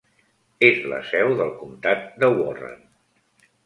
És la seu del comtat de Warren.